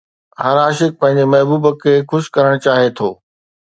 هر عاشق پنهنجي محبوب کي خوش ڪرڻ چاهي ٿو